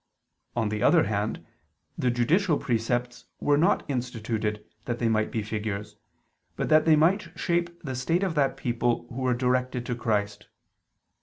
On the other hand, the judicial precepts were not instituted that they might be figures, but that they might shape the state of that people who were directed to Christ.